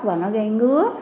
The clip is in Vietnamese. và nó gây ngứa